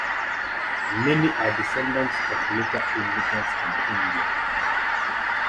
Many are descendants of later immigrants from India.